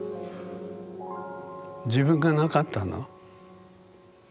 自分がなかったの？